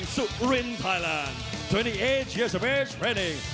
แซมพิเยอร์ชาลิ้ง